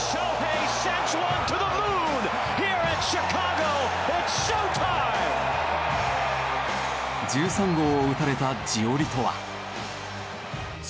１３号を打たれたジオリトは。